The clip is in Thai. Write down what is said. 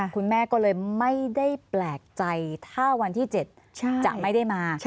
คุณแม่ก็เลยไม่ได้แปลกใจถ้าวันที่๗จะไม่ได้มา